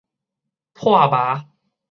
破媌